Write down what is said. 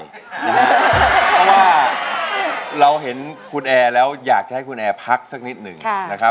เพราะว่าเราเห็นคุณแอและอยากที่จะให้คุณแอพักสักนิดนึง